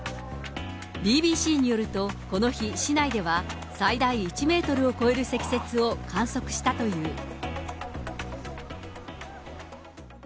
ＢＢＣによると、この日、市内では最大１メートルを超える積雪を観測したという。